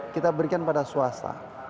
kita berikan pada swasta